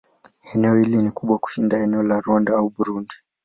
Eneo hili ni kubwa kushinda eneo la Rwanda au Burundi.